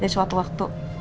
dari suatu waktu